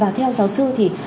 và theo giáo sư thì